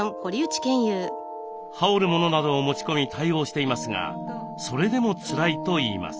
羽織るものなどを持ち込み対応していますがそれでもつらいといいます。